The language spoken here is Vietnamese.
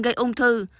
gây ung thư